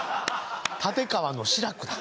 立川の志らくだ。